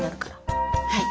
はい。